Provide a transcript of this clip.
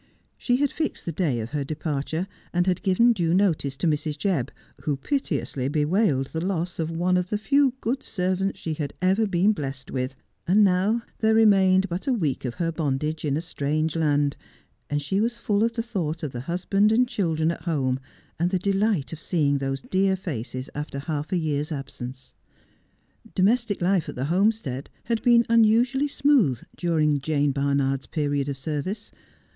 She had fixed the clay of her departure, and had given due notice to Mrs. Jebb, who piteously bewailed, the loss of one of the few good servants she had ever been blessed with ; and now there remained but a week of her bondage in a strange land, and she was full of the thought of the husband and children at home, and the delight of seeing those dear faces after half a year's absence. Domestic life at the Homestead had been unusually smooth during Jane Barnard's period of service.